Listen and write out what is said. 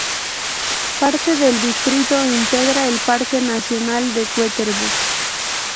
Parte del distrito integra el Parque Nacional de Cutervo.